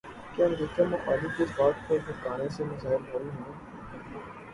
کیا امریکہ مخالف جذبات کو بھڑکانے سے مسائل حل ہوں۔